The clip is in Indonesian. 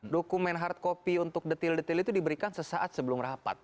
dokumen hard copy untuk detail detail itu diberikan sesaat sebelum rapat